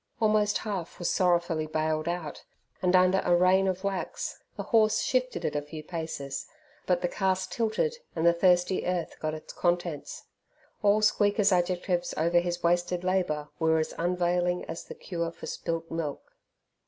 Almost half was sorrowfully baled out, and under a rain of whacks the horse shifted it a few paces, but the cask tilted and the thirsty earth got its contents. All Squeaker's adjectives over his wasted labour were as unavailing as the cure for spilt milk.